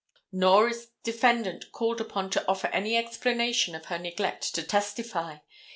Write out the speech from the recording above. Nor is defendant called upon to offer any explanation of her neglect to testify.